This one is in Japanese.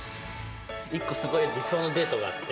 一個すごい理想のデートがあって。